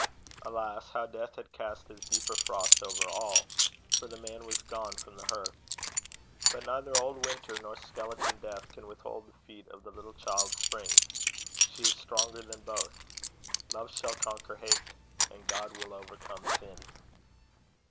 Alas! how Death had cast his deeper frost over all; for the man was gone from the hearth! But neither old Winter nor skeleton Death can withhold the feet of the little child Spring. She is stronger than both. Love shall conquer hate; and God will overcome sin.